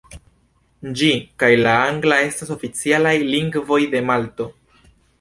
Ĝi kaj la angla estas oficialaj lingvoj de Malto.